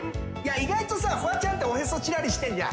意外とさフワちゃんっておへそちらりしてんじゃん？